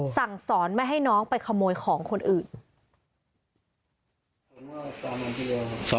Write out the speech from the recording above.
สั่งสอนไม่ให้น้องไปขโมยของคนอื่น